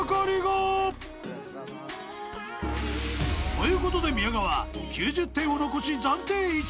［ということで宮川９０点を残し暫定１位］